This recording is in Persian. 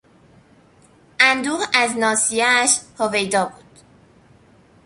اندوه از ناصیهاش هویدا بود.